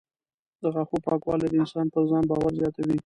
د غاښونو پاکوالی د انسان پر ځان باور زیاتوي.